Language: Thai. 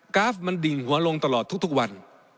ราฟมันดิ่งหัวลงตลอดทุกวัน